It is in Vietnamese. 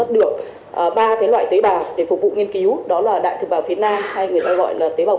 được ba loại tế bào để phục vụ nghiên cứu đó là đại tế bào việt nam hay người ta gọi là tế bào